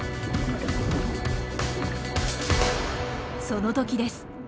その時です！